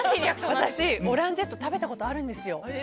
私、オランジェット食べたことあるんですよ。